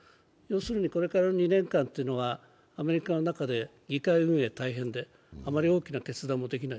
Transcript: これから２年間というのはアメリカの中で議会運営が大変であまり大きな決断もできない。